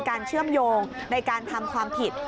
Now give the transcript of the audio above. เชื่อมโยงในการทำความผิด